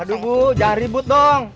aduh bu jangan ribut dong